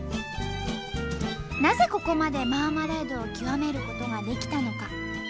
なぜここまでマーマレードを極めることができたのか。